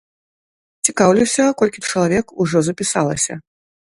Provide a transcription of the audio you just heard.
Цікаўлюся, колькі чалавек ужо запісалася?